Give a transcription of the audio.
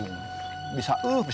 bisa eh bisa puluhan juta